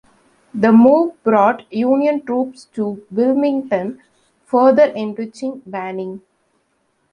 The move brought Union troops to Wilmington, further enriching Banning.